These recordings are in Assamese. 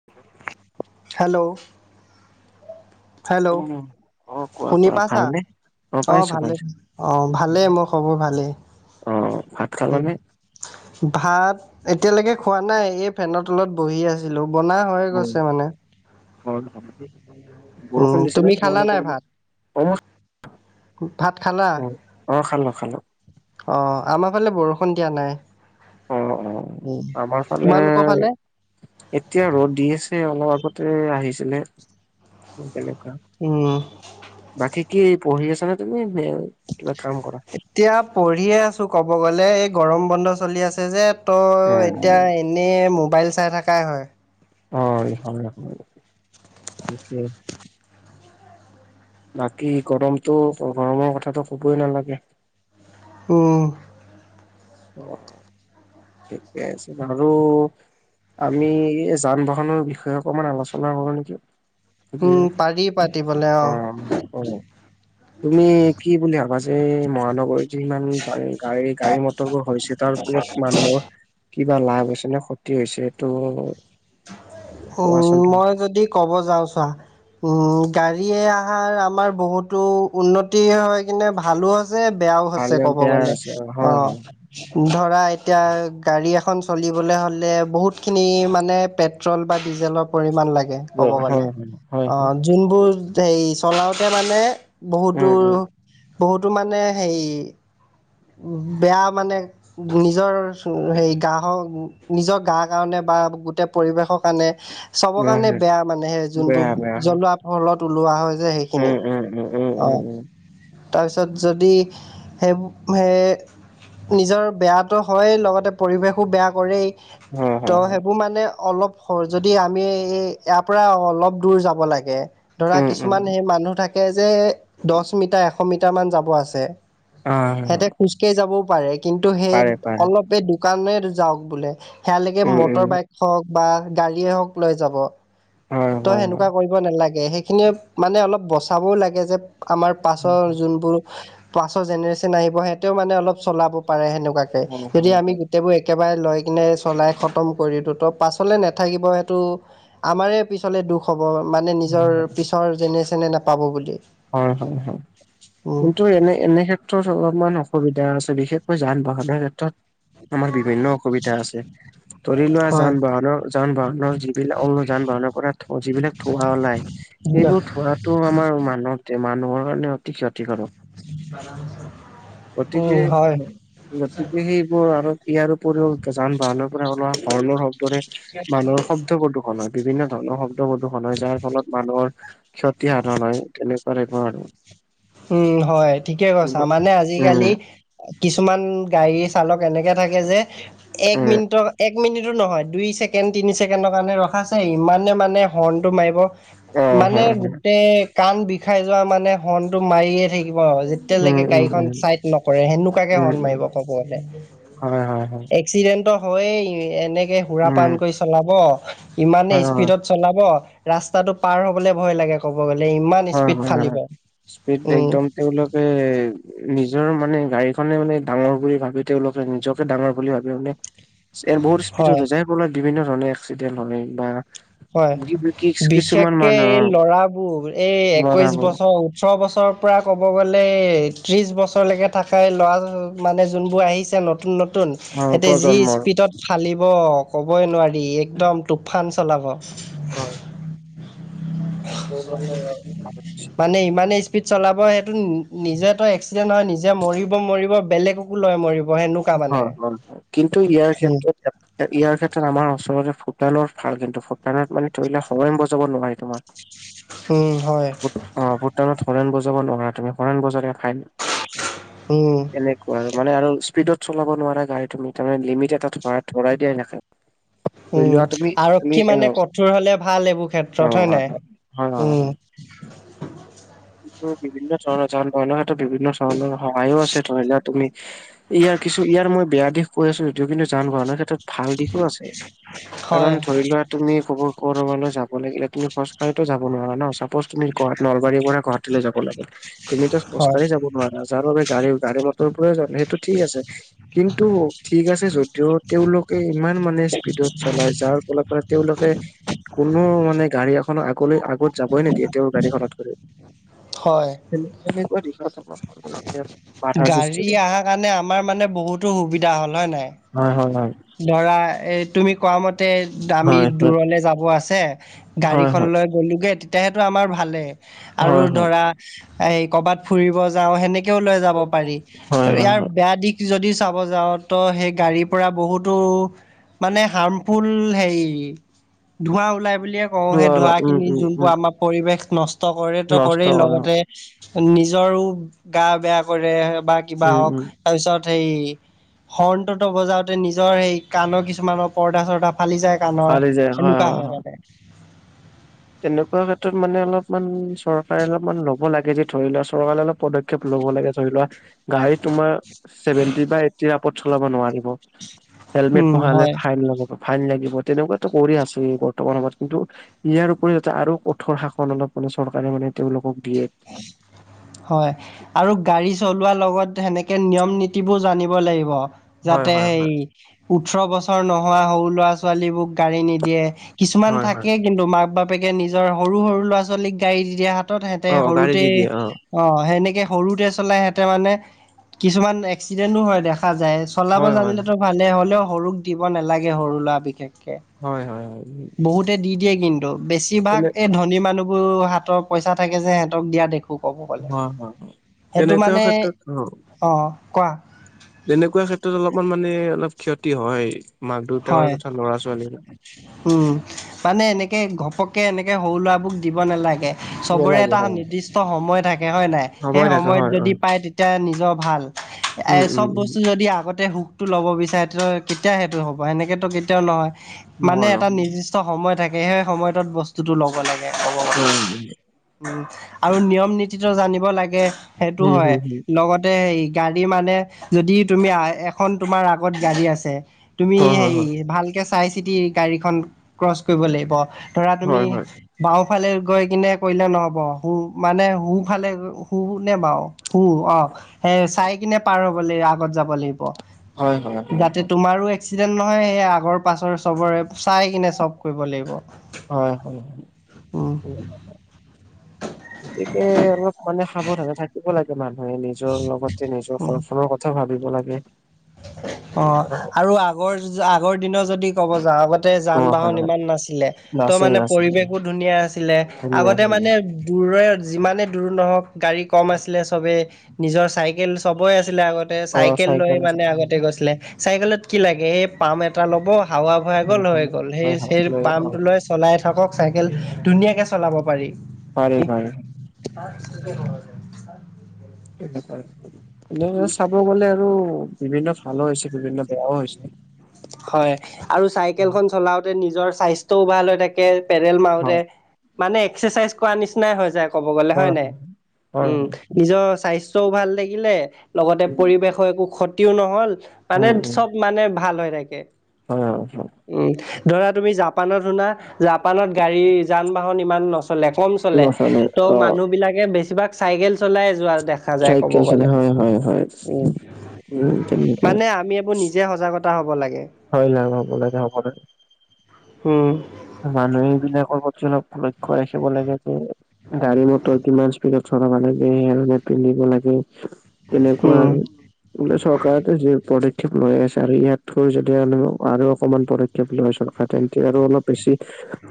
[unintelligible] হেল্ল'। হেল্ল' উম, অ' কোৱা শুনি কোৱা পাছা? ভালনে? অ পাইছো ভালেই পাইছো। অ ভালেই মোৰ খবৰ ভালেই। অ ভাত খালানে? ভাত এতিয়ালৈকে খোৱা নাই, এই ফেনৰ তলত বহি আছিলো বনা- অ অ উম বৰষুণ তুমি দিছেনে খালা নাই তোমাৰলোকৰ ভাত ফালে? অছ ভাত খালা? অ' খালো খালো। অঁ আমাৰ ফালে বৰষুণ দিয়া নাই। অ অ' উম আমাৰ ফালে তোমালোকৰ ফালে এতিয়া ৰ'দ দি আছে, অলপ আগতে আহিছিলে তেনেকুৱা। উম' বাকী কি পঢ়ি আছা নে তুমি, নে কিবা কাম কৰা? এতিয়া পঢ়িয়ে আছো ক'ব গ'লে, এই গৰম বন্ধ চলি আছে যে ত এতিয়া অ' এ এনেই মোবাইল চাই থকাই হয়। হয় হয় হয় ঠিকে। বাকী গৰমটো গৰমৰ কথাটো ক'বই নালাগে। উ [inaudible] ঠিকে আছে বাৰু আমি যান বাহনৰ বিষয়ে অকমান আলোচনা কৰো নিকি? উম পাৰি পাতি বলে অ অ অ তুমি কি বুলি ভাবা যে মহানগৰীত যিমানতাই গাড়ী গাড়ী মটৰবোৰ হৈছে তাৰ ফলত মানুহৰ কিবা লাভ হৈছে নে ক্ষতি হৈছে এইটো উম কোৱাচোন তুমি মই যদি কব যাওঁ চোৱা উম গাড়ীয়ে আহাৰ আমাৰ বহুতো উন্নতি হয় কিন্তু ভালো হছ যে বেয়াও হৈছে ভালে ক'ব বেয়া গলে, আছে অ। হয় হয় ধৰা এতিয়া গাড়ী এখন চলিবলে হলে বহুত খিনি মানে প্ৰেটল বা ডিজেলৰ পৰিমাণ লাগে হয় কবগলে, হয় হয় হয় অহ যোনবোৰ হেৰি চলাওঁতে মানে উম বহুতোৰ উম বহুতো মানে হেই বেয়া মানে নিজৰ চ হেৰি গাহক নিজৰ গা কাৰণে বা গোটেই পৰিৱেশৰ কাৰণে চবৰ উম কাৰণে হম বেয়া মানেহে যোনবোৰ বেয়া বেয়া হয় জ্বলোৱা ফলত ওলোৱা হয় যে সেইখিনি, উম উম উম উম অ উম উম তাৰপিছত যদি সেইব হে নিজৰ বেয়াটো হয়ে লগতে পৰিৱেশো বেয়া কৰেই। হয় হয় ত হয় সেইবোৰ মানে অলপ হৰ যদি আমি ইয়াৰ পৰা অলপ দূৰ যাব লাগে, ধৰা উম উম কিছুমান সেই মানুহ থাক কে যে দছ মিটাৰ এশ মিটাৰ মান যাব আছে। হয় সেতে হয় খোজকাঢ়ি যাবও পাৰে কিন্তু সেই পাৰে পাৰে অলপ এই দোকানে যাওক বোলে। সেয়ালেকে উম উম মটৰ বাইক হওক বা গাড়ীয়ে হওক লৈ যাব। হয় ত হয় হয় সেনেকুৱা কৰিব নালাগে সেইখিনি মানে অলপ বচাবও লাগে যে আমাৰ পাছৰ যোনবোৰ পাছৰ জেনেৰেচন আহিব হেতেও মানে অলপ চলাব পাৰে সেনুক। কুৱাকে হয় হয় যদি আমি হয় গোটেইবোৰ এক কেবাৰে লৈ কিনে চলাই খতম কৰিতো তো পাছলৈ নাথাকিব এইটো আমাৰে দুখ হ'ব, মানে নিজৰ পিছৰ জেনেৰেচনে নাপাব বুলি। হয়, হয়, হয়, উম কিন্তু এনে, এনে ক্ষেত্ৰত ত, অলপমান অসুবিধা আছে, বিশেষকৈ যান-বাহনৰ ক্ষেত্ৰত আমাৰ বিভিন্ন অসুবিধা আছে, ধৰি লোৱা হয় যান-বাহনৰ যান-বাহনৰ যিবিলাক [unintelligible] যান-বাহনৰ পৰা যিবিলাক ধুৱা ওলায় এইবোৰ ধোৱাটো আমাৰ মানুহ, মানুহৰ কাৰণে অতি ক্ষতিকাৰক। [inaudible] গতিকে হয় গতিকে সেইবোৰ আৰু ইয়াৰ উপৰিও যান-বাহনৰ পৰা ওলোৱা হৰ্ণৰ শব্দৰে মানুহৰ শব্দ প্ৰদূষণ হয়। বিভিন্ন ধৰণৰ শব্দ প্ৰদূষণ হয়, যাৰ ফলত মানুহৰ ক্ষতিসাধন হয়, তেনেকোৱা টাইপৰ আৰু। উম, হয়, ঠিকে উম কৈছা। মানে উম আজিকালি কিছুমান গাড়ী চালক এনেকে থাকে যে এক মিনিটৰ, এক মিনিটো নহয়, দুই ছেকেণ্ড, তিনি ছেকেণ্ডৰ কাৰণে ৰখাইছে, ইমানে মানে হৰ্ণটো মাৰিব অ হয় মানে হয় গোটেই কাণ বিষাই যোৱা মানে হৰ্ণটো মাৰিয়ে থাকিব। অ, উম, যেতিয়ালৈকে উম, উম, গাড়ীখন চাইড নকৰে, সেনেকুৱাকে উম, হৰ্ণ উম, মাৰিব, ক'ব গ'লে। হয়, হয়, হয়। এক্সিডেণ্ট হয়েই, এনেকে উম, সুৰাপান কৰি চলাব। ইমানে হয়, হয়, স্পীডত চলাব, ৰাস্তাটো পাৰ হ'বলৈ ভয় লাগে ক'ব গ'লে ইমান স্পীড ফালিব। স্পিড উম একদম তেওঁলোকে নিজৰ মানে গাড়ীখনে মানে ডাঙৰ বুলি ভাবি তেওঁলোকে, নিজকে ডাঙৰ বুলি ভাবি মানে বহুত স্পীডত হয় যায়, যাই ফলত বিভিন্ন ধৰণৰ এক্সিডেণ্ট হয় বা হয়, কি- কি- কিছুমান বিশেষকে এই মানুহৰ ল'ৰাবোৰ, এই একৈশ ল'ৰাবোৰ বছৰ ওঁঠৰ বছৰৰ পৰা ক'ব গ'লে ত্ৰিছ বছৰলৈকে থাকাই ল'ৰা মানে যোনবোৰ আহিছে নত নতুন-নতুন, অ', সেহেতে যি প্ৰজন্মৰ স্পীডত ফালিব ক'বই নোৱাৰি, একদম টোফান চলাব। হয়। তেওঁলোকে হয়, মানে ইমানে স্পীড চলাব সে নিজে ত' এক্সিডেণ্ট হয় নিজে মৰিব মৰিব বেলেগকো লৈ মৰিব, সেন হয়, হয়, কিন্তু ইয়াৰ ক্ষেত্ৰত ইয়াৰ ক্ষেত্ৰত আমাৰ অঞ্চলতে ভূটানৰ ভাল, কিন্তু ভূটানত মানে ধৰি লোৱা হৰ্ণ বজাব নোৱাৰে তোমাৰ। উম, হয়। অ, ভূটানত হৰ্ণ বজাব নোৱাৰা তুমি, হৰ্ণ বজালে ফাইন। উম। এনেকুৱা আৰু মানে আৰু স্পীডত চলাব নোৱাৰা গাড়ী তুমি, তাৰে লিমিট এটা ধৰাই দিয়াই থাকে। ধৰি উম লোৱা তুমি, তুমি, আৰক্ষী অঁ, মানে অঁ, কঠোৰ হলে ভাল এইবোৰ ক্ষেত্ৰত হয়, নাই হয়, হয়, উম হয়। বিভিন্ন ধৰণৰ, যান-বাহনৰ ক্ষেত্ৰত বিভিন্ন ধৰণৰ সহায়ও আছে, ধৰি লোৱা তুমি ইয়াৰ কিছু, ইয়াৰ মই বেয়া দিশ কৈ আছো সেইটো কিন্তু যান-বাহনৰ ক্ষেত্ৰত ভাল দিশো আছে, কাৰণ হয় ধৰি লোৱা তুমি ক'বৰ-ক'ৰবালৈ যাব লাগিলে তুমি খোজকাঢ়িটো যাব নোৱাৰা ন, চাপজ তুমি নলবাৰীৰ পৰা গুৱাহাটীলৈ যাব লাগে, তুমিতো হয় খোজকাঢ়ি যাব নোৱাৰা, যাৰ বাবে গাড়ী গাড়ী-মটৰৰে পৰাই যাম, সেইটো ঠিক আছে। কিন্তু ঠিক আছে যদিও, তেওঁলোকে ইমান মানে স্পীডত চলাই, যাৰ ফলত মানে তেওঁলোকে কোনো মানে গাড়ী এখননৰ আগলৈ আগত যাবই নিদিয়ে তেওঁৰ গাড়ীখনত গৰি। হয় [unintelligible] সৃষ্টি গাড়ী কৰে আহা কাৰণে আমাৰ মানে বহুতো সুবিধা হ'ল হয় নে নাই? হয় হয় হয়। ধৰা এ, তুমি কোৱা মত তে দামি হয় হয় দূৰলে যাব আছে, হয় হয় গাড়ীখন লৈ গ'লোগে তেতিয়াহেটো আমাৰ ভালে আৰু হয় হয় ধৰা এই ক'ৰবাত ফুৰিব যাওঁ সেনে লৈ যাব পাৰি, হয় ইয়াৰ হয় বেয়া দিশ যদি চাব যাওঁ ত' সেই গাড়ীৰ পৰা বহুত তো মানে হাৰ্মফুল হেৰি ধোৱা ওলাই বুলিয়ে অ' সেই হয় হয় উম ধোঁৱাখিনি উম যোনটো উম আমাৰ পৰিৱেশ নষ্ট কৰেতো নষ্ট কৰেই কৰা হয় লগতে নিজৰো গা বেয়া কৰে বা কিবা উম, হওঁক। উম, তাৰপিছত সেই হৰ্ণটোতো বজাওতে নি নিজৰ সেই কাণৰ কিছুমানৰ পৰ্দা চৰ্দা ফালি যায় কাণৰ সেনেকুৱা হয় মানে। তেনেকুৱা ক্ষেত্ৰত মানে অলপমান চৰকাৰে অলপমান ল'ব লাগে যে ধৰি লোৱা চৰকাৰে অলপ পদক্ষেপ ল'ব লাগে ধৰি লোৱা গাড়ী তোমাৰ চেভেনটি বা এইটটিৰ আপদ চলাব নোৱাৰিব। হেলমেট উম পহালে হয় ফাইন লগাব। ফাইন লাগিব তেনেকুৱাতো কৰি আছে বৰ্তমান সময়ত কিন্তু ইয়াৰ পৰিকতে আৰু কঠোৰ শাসন অলপ মানে চৰকাৰে মানে তেওঁলোকক দিয়ে। হয়। আৰু গাড়ী চলোৱাৰ লগত সেনেকে নিয়ম নীতিবোৰ জানিব লাগিব। হয়, যাতে হয়, সেই হয়, ওঠৰ বছৰ নোহোৱা সৰু লৰা ছোৱালীবোক গাড়ী নিদিয়ে। কিছুমান হয়, হয়, থাকে কিন্তু মাক বাপেকে নিজৰ সৰু সৰু ল'ৰা ছোৱালীক গাড়ী দিয়া হাতত হে তে অ', গাড়ী সৰুতে দি দিয়ে অ' সেনেকে সৰুতে চলাই সেতে মানে কিছুমান এক্সিডেন্টো হয় দেখা যায়। চলাব হয়, হয়, হয়, জানিলেতো ভালে হ'লেও সৰুক দিব নালাগে সৰু ল'ৰা বিশেষকে। হয় হয় হয়। বহুতে দি দিয়ে কিন্তু, বেছিভাগ তেনে এই ধনী মানুহবোৰ হাতৰ পইচা থাকে যে সিহঁতক দিয়া দেখ খো ক'ব গ'লে, হয়, হয়, হয়। সেইটো তেনেকুৱা মানে, ক্ষেত্ৰত অ'। অ' কোৱা। তেনেকুৱা ক্ষেত্ৰত অলপমান মানে অলপ ক্ষতি হয় মাক হয় দেউতাৰ তথা ল'ৰা ছোৱালীৰো। উম, মানে এনেকে ঘপককে এনেকে সৰু ল'ৰাবোক দিব নালাগে। চবৰে নালাগে এটা হয়। নিৰ্দিষ্ট সময় থাকে হয় নাই, সেই সময় থাকে সময়ত হয় যদি হয় পায় তে তে নিজৰ ভাল, উম এই উম চব উম বস্তু যদি আগতে সু টো ল'ব বিচাৰে তে কেতিয়া সেইটো হ'ব সেনেকেটো কেতিয়াও নহয় মানে নহয় ন এটা নিৰ্দিষ্ট ট সময় থাকে সেই সময়টোত বস্তুটো ল'ব লাগে ক'ব গ'লে উম। উম, আৰু নিয়ম নীতিটো জানিব লাগে সেইটো উম হয় হুম হুম লগতে হেই গাড়ী মানে যদি তুমি এখন তোমাৰ আগত গাড়ী আছে তুমি হয় হয় হেৰি ভালকে চাই চিতি গাড়ীখন ক্ৰচ কৰিব লাগিব ধৰা তুমি হয় হয় হয়। বাওঁফালে গৈ কিনে কৰিলে নহ'ব সোঁ মানে সোঁফালে সোঁ নে বাওঁ সোঁ অ' সেই চাই কিনে পাৰ হ'ব লাগিব আগত যাব লাগিব। হয় হয় হয় যাতে হয়। তোমাৰো এ এক্সিডেণ্ট নহয় সে আগৰ পাছৰে চবৰে চাই কিনে চব কৰিব লাগিব। হয় হয়, উম উ। গতিকে অলপ মানে সাৱধানে থাকিব লাগে মানুহে এনে। জৰ লগতে নিজৰ ঘৰখনৰ কথাও ভাবিব লাগে। অঁ' অ আৰু আগৰ আগৰ দিনৰ যদি ক'ব যাওঁ আগ তে যান হয় বাহন হয় ইমান নাছিলে ত' নাছিল মানে নাছিল পৰিৱেশো ধুনীয়া আছিলে। ধুনীয়া আগতে ধুনীয়া। মানে- দূৰে, যিমানেই দূৰ নহওঁক গাড়ী কম আছিলে, চবেই- নিজৰ চাইকেল চবেই আছিলে আগতে, অ চাইকেল লৈ- আছে ছিলে, চাইকেলত কি লাগে এ পাম এটা ল'ব হাৱা- ভৰাই গ'ল হৈ হয় গ'ল, সেই হয় হয় সেই লৈ অ পামটো লৈ- চলাই থাকক চাইকেল ধুনীয়াকে চলাব পাৰি। পাৰি তেনেকোৱাই আৰু এনে চাব গ'লে আৰু বিভিন্ন ভালো হৈছে বিভিন্ন বেয়াও হৈছে। হয় আৰু চাইকেলখন চলাওতে নিজৰ স্বাস্থ্য ভাল হৈ থাকে- পেডেল মাৰোতে হয় মানে এক্সাৰচাইজ কৰা নিচিনাই হৈ যায় ক'ব গ'লে হয় নাই, হয় উমঁ'। হয়। নিজৰ স্বাস্থ্যও ভাল থাকিলে লগতে উম পৰিৱেশো একো ক্ষতিও নহ'ল- মানে উম চ'ব মানে ভাল হয় থাকে। হয় নহয় কিবা। উমঁ' ধৰা তুমি জাপানত শুনা জাপানত গাড়ী যান বাহন ইমান ন চলে কম চলে নচলে ত' অ মানুহ বিলাকে বেছিভাগ চাইকেল চলাই যোৱা দেখা- দেখা যায় ক'ব চাইকেল চলে গ'লে। হয় হয় হয়। উমঁ' উম তেনেকুৱাই মানে আমি এইবোৰ নি জে সজাগতা হ'ব লাগে। [unintelligible] উমঁ। মানুহে এই বিলাকৰ প্ৰতি অলপ লক্ষ্য ৰাখিব লাগে যে গাড়ী মটৰ কিমান স্পীডত- চলাব লাগে সেয়া হেলমেট পিন্ধিব লাগে তেনেকুৱা উম আৰু। বোলে চৰকাৰেতো যি পদক্ষেপ লৈ আছে আৰু ইয়াতকৈ যদি আৰু অকমান প [unintelligible] তেন্তে আৰু অলপ বেছি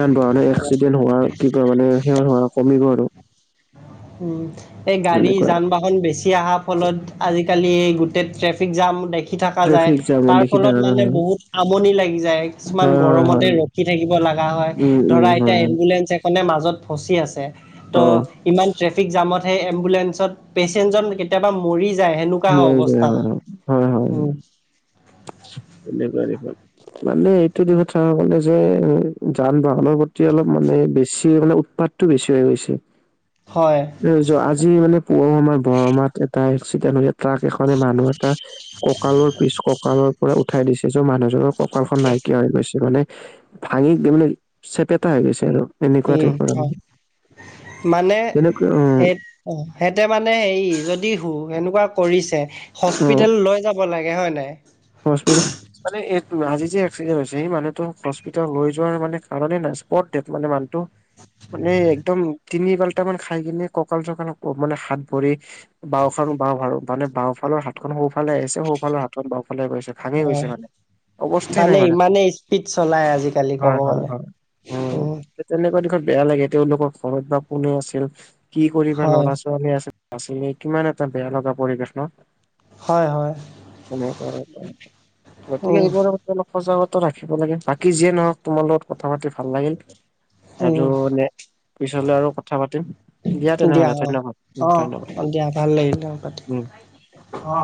যান বাহন এক্সিডেণ্ট হোৱা কি কৈ মানে সিহঁত [unintelligible] কমিব আৰু। উমঁ' এই গাড়ী এনেকুৱা যান বাহন বেছি অহাৰ ফলত- আজিকালি গোটেই ট্ৰেফিক জাম দেখি থকা যায়। ট্ৰেফিক জামত তাৰ দেখি ফলত থাকা যায় মানে আৰু বহুত আমনি লাগি যায়। কিছুমান হয় হয় গৰমতে হয় ৰখি থাকিব লগা হয় উম উম ধৰা- এতিয়া হয় হয় এম্বুলেঞ্চ এখনে মাজত ফচি আছে অ ত' ইমান- ট্ৰেফিক জামতহে এম্বুলেন্ঞ্চত পেচেন্টজন- কেতিয়াবা মৰি যায় সেনেকোৱা মৰি যায় অৱস্থা হয় উমঁ'। এনেকোৱা এনেকোৱা মানে এইটো দিশত চোৱা [unintelligible] যে যান বাহনৰ প্ৰতি অলপ মানে বেছি মানে উৎপাতটো বেছি হৈ গৈছে। হয়। আজি মানে পুৱাৰো আমাৰ বৰমাত এটা এক্সিডেণ্ট হৈ ইয়াত- ট্ৰাক এখনে মানুহ এটা কঁকালৰ পিছ কঁকালৰ- উঠাই দিছে যে মানুহজনৰ কঁকালখন নাইকিয়া হৈ গৈছে। মানে- ভাঙি তাৰমানে চেপেটা হৈ গৈছে আৰু। এনেকোৱা উম, টাইপৰ আৰু হয় তেনেকোৱা উমঁ'। অঁ' সেতে মানে হেৰি যদি সু সেনেকোৱা কৰিছে- অ হস্পিতেল লৈ যাব লাগে হয় নাই। হস্পিতেল মানে এই আজি যে এক্সিডেণ্ট হৈছে সেই মানুহতো হস্পিতেল লৈ যোৱাৰ মানে কাৰণে নাই। স্পট ডেথ্ মানে মানুহটো। মানে একদম তিনি পালটা মান খাই কিনে কঁকাল চকাল মানে হাত ভৰি- বাওফাল [unintelligible] মানে বাওফালৰ হাতখন সোফালে আহিছে সোফালৰ হাতখন বাওফালে গৈছে। ভাঙি গৈছে হয়। মানে। অৱস্থাই নাই মানে ইমানেই স্পীড চলাই আজিকালি ক'ব হয় হয় গ'লে হয়, উম তে তেনেকুৱা দিশত বেয়া লাগে, তেওঁলোকৰ ঘৰত বা কোনে আছিল? কি কৰিবা হয় ল'ৰা - ছোৱালী আছি আছিলে কিমান এটা বেয়া লগা পৰিৱেশ ন? হয় হয়। তেনেকুৱা গতিকে উম এইবোৰ [unintelligible] সজাগতা ৰাখিব লাগে, বাকী যিয়ে নহওক তোমাৰ লগত কথা পাতি ভাল লাগিল। উম আৰু নে পিছলে আৰু কথা পাতিম দিয়া দিয়া তেনেহলে ধন্যবাদ উম ধন্যবাদ। দিয়া ভাল লাগিল পাতি উম। অ।